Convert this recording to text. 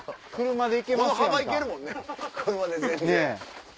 車で全然。